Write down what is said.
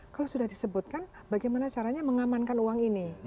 kalau sudah disebutkan bagaimana caranya mengamankan uang ini